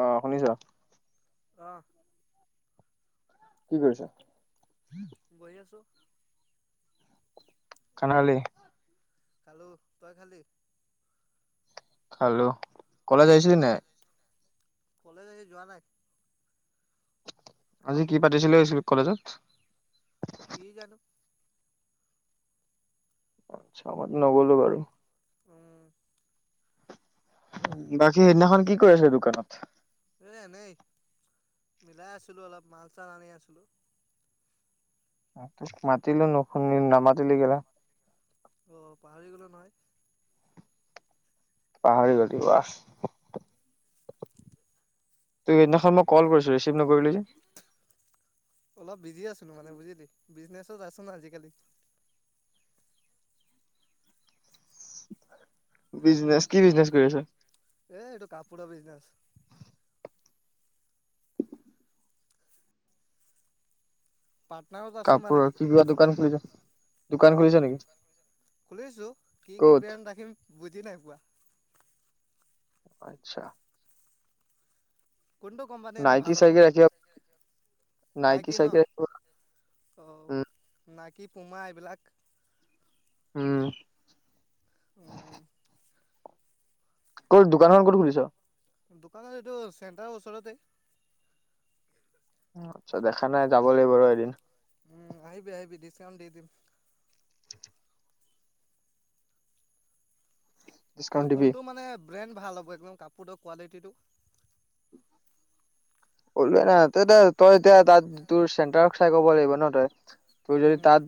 আহ শুনিছ। আহ! কি কৰিছা। বহি আছো। [unintelligible] খালোঁ তই খালি। হেল্লো। কলেজ অ আহিছিলি নাই? কলেজ আজি যোৱা নাই। আজি কি পাতিছিলো স্কুল-কলেজত। কি জানো। আচ্ছা [unintelligible] নগ'লো বাৰু। উ'। বাকী হেইদিনাখন কি কৰি আছে দোকানত। এ এনেই মিলাই আছিলো অলপ মাল চাল আনি আছিলো। তোক মাতিলোঁ নুখুনি-নামাতিলি [unintelligible] অ' ‍পাহৰি গলো নহয়। পাহৰি গলি ৱাহ। তই হেইদিনাখন মই কল কৰিছো ৰিচিভ নকৰিলি যে। অলপ বিজি আছিলো মানে বুজিলি বিজনেছত আছো ন আজিকালি। বিজনেচ কি বিজনেছ কৰি আছ। এ'এইটো কাপোৰৰ বিজনেচ। পাটনাৰত আছো মানে কাপোৰৰ, কি কিবা দোকান খুলিছ, দোকান আহ' খুলিছ নেকি? খুলিছো কি ক'ত? আচ্ছা। কোনটো কোম্পানী নে নাইকি ভাল হ'ব চাইকি ৰাখিব, নাইকি ন চাইকি ৰাখিব অ' উম, নাইকি পূমা এইবিলাক। উম'। উ'। ক'ত দোকানখন ক'ত খুলিছ? দোকানৰ এইটো চেণ্টাৰৰ ওচৰতে। আচ্ছা দেখা নাই যাব লাগিব ৰ এদিন। উম' আহিবি আহিবি ডিচকাউন্ট দি দিম। আৰু ডিছকাউণ্ট দিবি? কোনটো মানে ব্ৰেণ্ড ভাল হ'ব একদম কাপোৰটোৰ কোৱালিটিটো। [unintelligible] তোৰ যদি তাত কাপোৰৰ দোকান বহুত উম,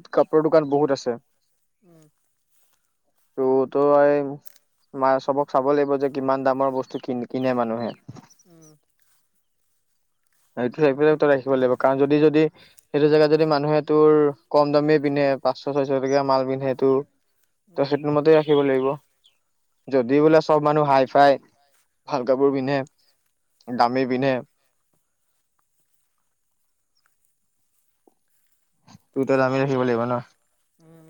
আছে। উম, তো তই [unintelligible] লাগিব যে কিমান দামৰ বস্তু কিন কিনে মানুহে। উম'। [unintelligible] ৰাখিব লাগিব কাৰণ যদি যদি সেইটো জেগাত যদি মানুহে তোৰ কম দামেই পিন্ধে পাঁচশ ছয়শ টকীয়া মাল পিন্ধেটো তই উম, সেইটোৰ মতে ৰাখিব লাগিব। যদি বোলে চব মানুহ হাই ফাই ভাল কাপোৰ পিন্ধে দামী পিন্ধে তো তই দামি চাওঁ ৰ' ৰাখিব লাগিব ন। উম।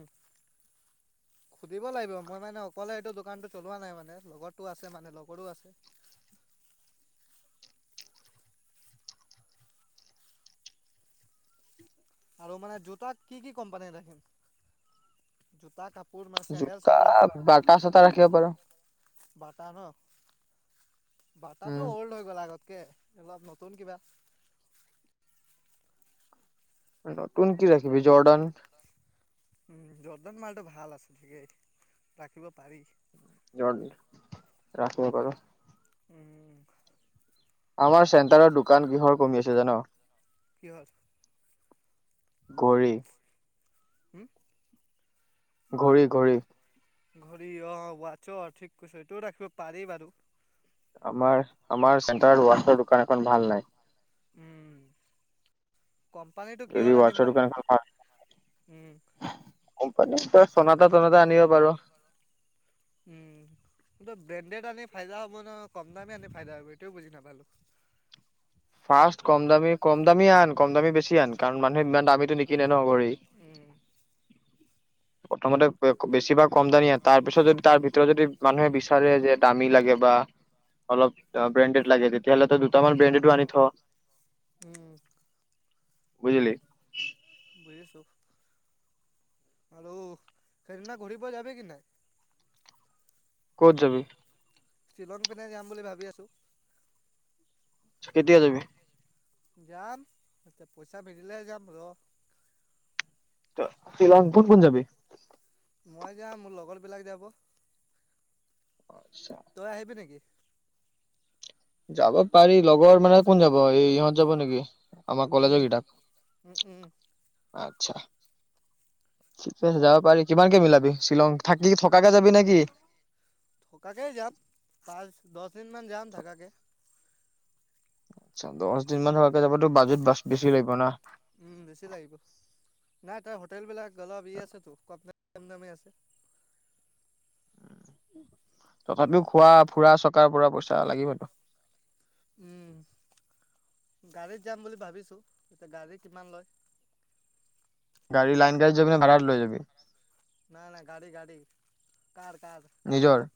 [inaudible] আৰু মানে জোতা কি কি কোম্পানী ৰাখিম জোতা কাপোৰ মানে চেণ্ডেল জোতা চব বটা চটা ৰাখিব পাৰ বটো বাতাতটো উম অল্ড হৈ গ'লা আগতে তাতকে অলপ নতুন কিবা নতুন কি ৰাখিবিবি জৰ্ডন উম জৰ্দাৰ মালটো ভাল আছে ঠিকেই ৰাখিব পাৰি। জৰ ৰাখিব কৰ। উম! আমাৰ চেণ্টাৰৰ দোকান কিহৰ কমি আছে জান কি হ'ল? গৰি হম! ঘড়ী ঘড়ী! ঘড়ী অ ৱাছ অ ঠিক কৈছো সেইটোও ৰাখিব পাৰি বাৰু আমাৰ। আমাৰ চেণ্টাৰ ছৰ দোকান এখন ভাল নাই। উম। কোম্পানীটো কি যদি হল আনিম ৱাটছৰ বা দোকান এখন ভাল উম! ই চনটা টনাটা আনিব পাৰো। ে আনি ফাইদা হ'ব ন কম দামে আনে ফাইদা হ'ব এইটোও বুজি নাপালো। ফাৰ্ষ কম দামী কম দামী আন কম দামী বেছি আন কাৰণ মানুহে ইমান দামীো নিকিনে ন ঘড়ি উম প্ৰথমতে বেছিভাগ কম দানিয়া তাৰ পিছত যদি তাৰ ভিতৰত যদি মানুহে বিচাৰে যে দামী লাগে বা। অলপ ব্ৰেণ্ডেড লাগে তেতিয়াহ'লে দুটামান ব্ৰেণ্ডেড আনি থ- উম! বুজিলি? বুজিছোঁ আৰু সেইদিনা ঘূৰি পোৱা যাবি কি নাই ক'ত যাবি? শ্বিলং পিনে যাম বুলি ভাবি আছো! কেতিয়া যাবি? যাম পইচা মেৰিলে যাম ৰ শ্বিলং কোন কোন যাবি- মই যা মোৰ লগৰ বিলাক যাব আচ্ছা তই আহিবি নেকি? যাব। পাৰি লগৰ মানে কোন যাব এই ইহঁত যাব নেকি। আমাৰ কলেজৰ উম! কেইটাক উম! উম! আচ্ছা ঠিকছে যাব পাৰি কিমানকে মিলাবি শ্বিলং থাকি থকাকে যাবি নেকি? থকাকে যাম ক দহ দিন মান যাম থাকাকে আচ্ছা দহ দিন ম হোৱাকে যাবতো বাজেট বেছি লাগিব না। উম বেছি লাগিব নাই তাৰ হোটেল বিলাক গলা বি আছে আপাক কেম নামে আছে। তথাপিও খোৱা ফুৰা চকাৰ পৰা পইচা লাগিবতো উম গাড়ীত যাম বুলি ভাবিছো এতিয়া গাড়ী কিমান লয় গাড়ী লাইন গাড়ীত যাবি নে ভাড়াত লৈ যাবি নাই নাই গাড়ী গাড়ী কাৰ কাৰ কাৰত নিজৰ যাম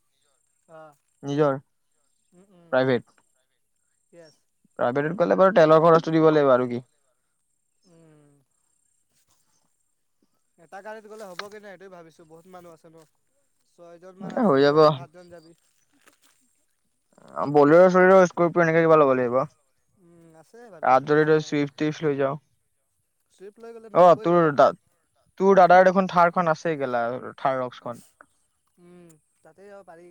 অ নিজৰ উম উম প্ৰাইভেট ইয়েছ প্ৰাইভেটত গলে বাৰু তেলৰ খৰচটো দিব লাগিব আৰু কি উম এটা গাড়ীত গ'লে হ'ব গে নে সেইটোৱে ভাবিছো বহুত মানুহ আছে ন ছয় জন মান এ আছে হৈ যাব তইও হাতজন যাবি বলেৰ ছলেৰো স্কোৰপিও এনেকে কিবা ল'ব লাগিব উম আছে ত বাৰু টেনশ্যন [unintelligible] নাই চুইফ টুইফ লৈ ট্ৰিপ লৈ গ'লে যাও অ নহ'বই তোৰ জেগা তোৰ দাদাৰ দেখোন থাৰ খন আছেই গেলা থাৰ ৰক্সখন উম তাতে যাব পাৰি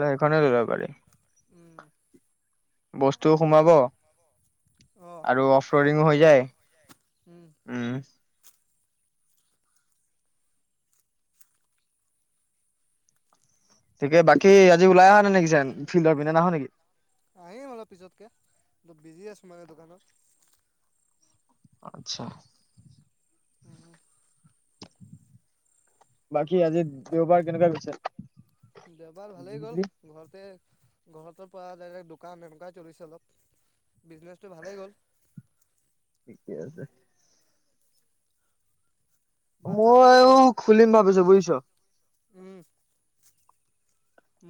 লে এইখনে লৈ যাব পাৰি বস্তু ও সোমাব অঁ আৰু অফ চব ৰডিং ও হৈয়ে হৈ যাব যায় উম তাকে বাকী আজি ওলাই অহ নে নেকি যেন ফিল্ডৰ পিনে নাহ নেকি মায়ে দোকানত আচ্ছা হম বাকী আজি দেওবাৰ কেনেকুৱা গৈছে দেওবাৰ ভালেই গ'ল ঘৰতে ঘৰটোৰ পৰা ডাইৰেক্ দোকান এনেকুৱাই চলিছে অলপ বিজনেচটো ভালেই গ'ল ঠিকেই আছে ভাত চাত খালি কি মইও নাই? খুলিম ভাবিছো বুজিছ উম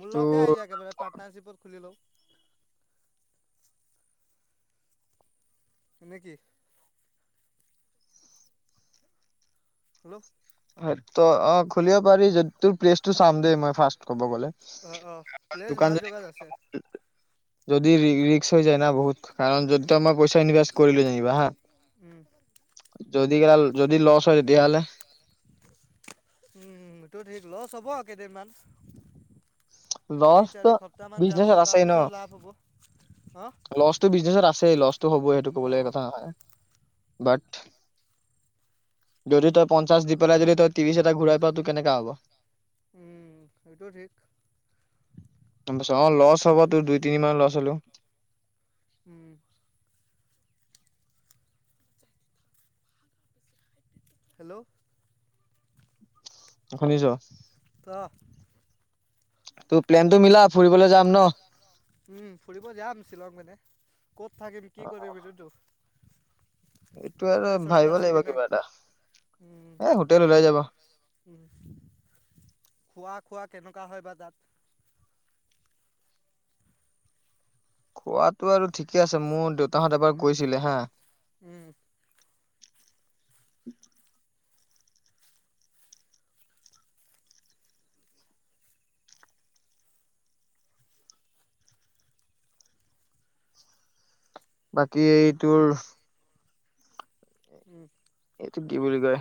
মোৰ লগতে তোৰ আহি যা একেবাৰে পাৰ্টনাৰশিপত খুলি লও নেকি হেল্ল' হয় তো অ খুলিব পাৰি যদি তোৰ প্লেচটো চাম দে মই ফাৰ্ষ্ট ক'ব গ'লে। অ অ প্লেছ দোকান ভাল যদি জগাত আছে। যদি [unintelligible] ৰিস্ক হৈ যায় না বহুত কাৰণ যদি তই উম মই পইচা ইনভেষ্ট কৰিলো যেনিবা হা উম যদি [unintelligible] যদি লছ হয় তেতিয়াহ'লে। উম সেইটো ঠিক লছ হ'ব কেইদিনমান। তিনি লছটো চাৰি সপ্তাহ মান যাব তাৰ পিছত লাভ হ'ব। হা লছ টো বিজনেছত আছে। লছটো হবই সেইটো অ কবলগীয়া কথা নহয় বাত যদি তই পঞ্চাশ দি পেলাই যদি তই ত্ৰিশ এটা ঘুৰাই পাৱ তোৰ কেনেকা হ'ব। উম সেইটো ঠিক। গম পাইছ অ লছ হ'ব তোৰ দুই তিনি মাহ লছ হলেও। উম। হেল্ল'। শুনিছ। ক প্লেনটো মিলা ফুৰিব যাম ন উম ফুৰিব যাম শ্বিলং মানে ক'ত থাকিম কি কৰিবি সেইটো। এইটো আৰু হোটেল চোটেল ভাবিব আছে লাগিব কি নাই কিবা এটা উম এ হোটেল ওলাই যাব খোৱা খোৱা। কেনেকুৱা হয় বা তাত। খোৱাতো আৰু ঠিকে আছে মোৰ দেউতাহত এবাৰ গৈছিলে হা। উম। [unintelligible] বাকী এইটোৰ। [unintelligible] কি বুলি কয়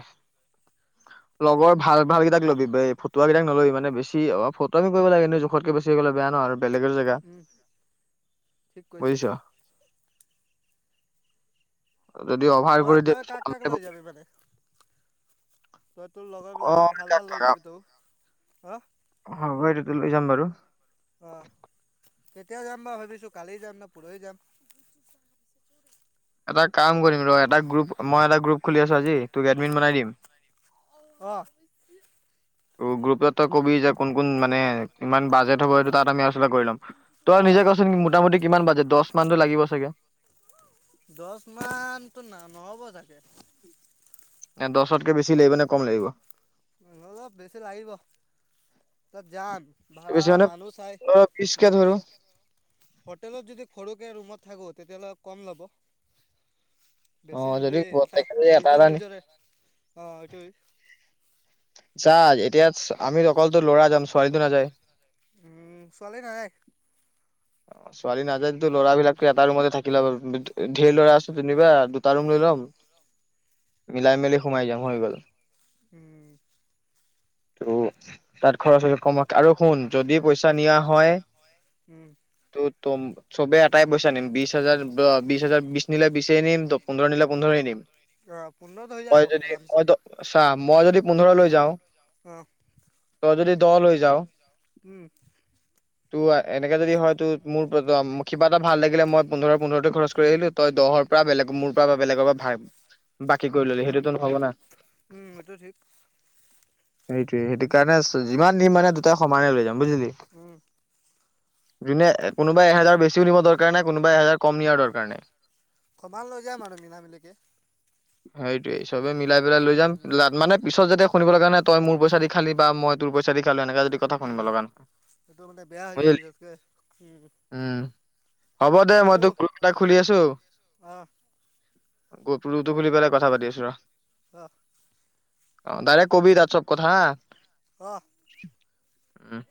লগৰ ভাল ভাল কেইটাক লবি বে ফটুৱা কেইটাক নলবি মানে বেছি ফটোৱামি কৰিব লাগে এ জোখতকে বেছি হৈ গ'লে বেয়া ন আৰু। বেলেগৰ জেগাত উম ঠিক কৈছে বুজিছ। এইটো যদি অভাৰ তই কৰি তই দিয়ে কাক কাক লৈ যাবি [unintelligible] মানে তই তোৰ লগৰ বিলাকৰ অ', ভাল তাক ভাল লৈ থকা যাবি তোৰ। অ। হ'ব এইটো লৈ যাম বাৰু। আহ কেতিয়া যাম বা ভাবিছো কালি যাম নে পৰহি যাম। এটা কাম কৰিম ৰ এটা গ্ৰুপ মই এটা গ্ৰুপ। খুলি আছো আজি তোক এডমিন বনাই দিম অ। ত গ্ৰুপত তই কবি যে কোন কোন মানে কিমান বাজেট হ'ব সেইটো তাত আমি আলোচনা কৰি ল'ম। তই অহ নিজে কচোন মোটামুটি কিমান বাজেট। দচ মানতো লাগিব চাগে দচ মানতো ন নহব ছাগে। নে দচতকে বেছি লাগিব নে কম লাগিব। অলপ বেছি লাগিব তাত যাম। ভা়া বেছি মানে মানুহ চাই পোন্ধৰ বিশকে মানু ধৰো চাই হোটেলত যদি সৰুকে ৰুমত থাকোত তেতিয়াহ'লে কম ল'ব বেছি অ', যদি এটা প্ৰত্যেকে যদি নিজৰ এটা নি নিজৰে অ এইটো যা এতিয়া আমিত অকলতো লৰা যামচোন ছৰিদিনা যায় উম ছোৱালী নাইক অ ছোৱালী নাযায় যো ল'ৰা বিলাকো এটা ৰুমতে থাকিলোৰ ধঢেৰ ল'ৰা আছে যেনিবা। তাৰুম লিলম মিলাই মেলি সোমাই যাম হৈ গ'ল। উম! ত' তাত খৰচ হলে কমক আৰু শুন যদি পইচা। নিয়া হয় উম! ত তম চবে। টাই পইচা নিম বিশ হাজাৰ বিশ হাজাৰ বিশ নিলে বিই নিম ত পোন্ধৰ নিলে পোন্ধৰই নিম অ', পোন্ধৰত হৈ তই যাব যদি আৰামছে মই চাহ মই যদি পোন্ধৰলৈৈ যাওঁ অ', তই যদি দল হৈ যাও। উম, ত এনেকাে যদি হয়। মোৰ কিবা এটা ভাল লাগিলে মই পোন্ধৰ পোন্ধৰ খৰচ কৰি আহিলো তই দহৰ পৰা বেলেগ মোৰ পৰা বা বেলেগৰ পৰা বাকী কৰি ললি সেইটোতটো নহব না! উম এইটো ঠিক। সেইটোয়ে সেইটো কাৰণে যিমান দিম মানে দুটাই সমানে লৈ যাম। বুজিলি? উম, যোনে কোনোবাই এহেজাৰ বেছিও নিব দৰকাৰ নাই কোনোবা এহেজাৰ কম নিয়াৰ দৰকাৰ নাই কবমান লৈ যাম আৰু মিলা মিলিকে। সেইটোৱেই সবেই মিল মিলাই পেলাই লৈ যাম উম। মানে পিছত যাতে শুনিবলগা নাই তই মোৰ পইচা দি খালি বা মই তেৰ পইচা দি খালে এনে কথা শুনিব উম, লগা নহয় এইটো মানে বেয়া হৈ যাব বুজ পিছতকে উম! হ'ব দে আৰু মই এইটো তোক গ্ৰুপ এটা খুলি আছো। অ', গ ৰুতু খুলি পেলাই কথা পাতি আছো ৰ। হ! অ ডাইৰেক কবি তাৰ চব কথা হা আহ! উম!